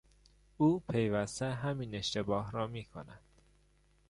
او پیوسته همین اشتباه را میکند.